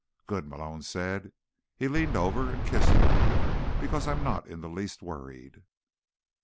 "Good," Malone said. He leaned over and kissed her. "Because I'm not in the least worried."